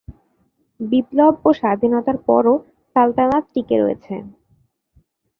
বিপ্লব ও স্বাধীনতার পরও সালতানাত টিকে রয়েছে।